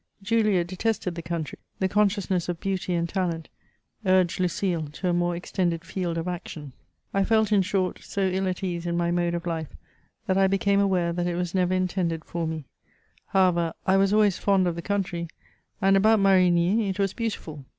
Julia detested the country ; the consciousness of beauty and talent urged Lucile to a more extended field of action. I felt, in short, so ill at ease in my mode of life, that I became aware that it was never intended for me« However, I was always fond of the country, and about Marigny it was beautiful.